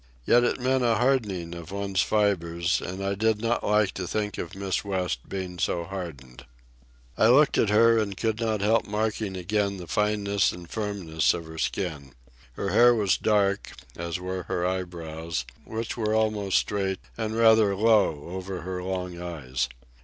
Yet it meant a hardening of one's fibres, and I did not like to think of Miss West being so hardened. I looked at her and could not help marking again the fineness and firmness of her skin. Her hair was dark, as were her eyebrows, which were almost straight and rather low over her long eyes.